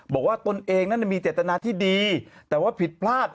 ตนเองนั้นมีเจตนาที่ดีแต่ว่าผิดพลาด